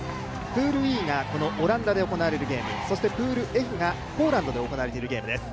プールＥがこのオランダで行われるゲームそしてプールＦがポーランドで行われているゲームです。